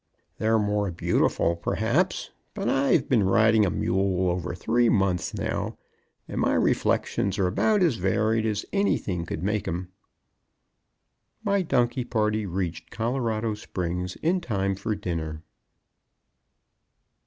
"They're more beautiful perhaps, but I've been riding a mule over three months now, and my reflections are about as varied as anything could make 'em." My donkey party reached Colorado Springs in time for dinner.